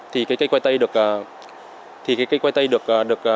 thì cây khoai tây được sử dụng